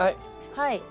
はい。